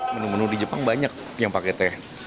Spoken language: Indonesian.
menu menu di jepang banyak yang pakai teh